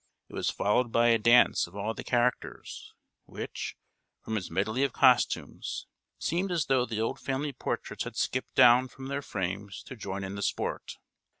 It was followed by a dance of all the characters, which, from its medley of costumes, seemed as though the old family portraits had skipped down from their frames to join in the sport.